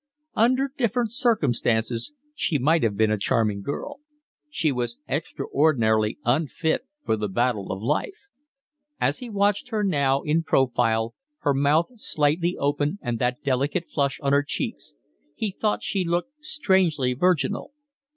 Under different circumstances she might have been a charming girl. She was extraordinarily unfit for the battle of life. As he watched her now in profile, her mouth slightly open and that delicate flush on her cheeks, he thought she looked strangely virginal.